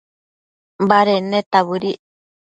baded neta bëdic